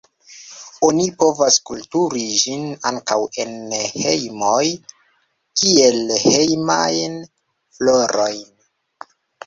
Oni povas kulturi ĝin ankaŭ en hejmoj kiel hejmajn florojn.